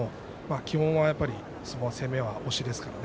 基本は攻めは押しですからね。